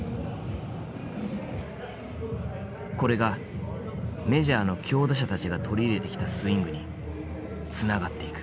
これがメジャーの強打者たちが取り入れてきたスイングにつながっていく。